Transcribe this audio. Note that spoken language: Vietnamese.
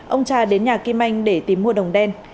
ông cha đến nhà kim anh để tìm mua đồng đen